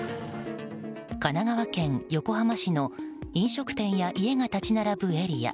神奈川県横浜市の飲食店や家が立ち並ぶエリア。